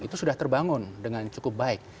itu sudah terbangun dengan cukup baik